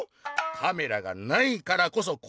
「カメラがないからこそこうつごう！